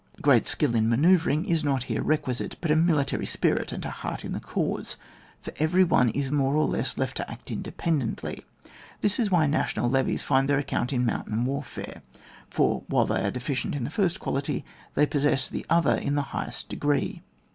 Great skill in manoeuvring is not here requisite, but a military spirit and a heart in the cause, for every one is more or less left to act independently ; this is why national levies find their account in mountain warfare, for while they are deficient in the first quality, they possess the other in the highest degree.